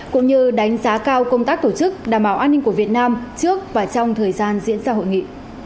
cũng như đánh giá cao công tác tổ chức đảm bảo an ninh của việt nam trước và trong thời gian diễn ra hội nghị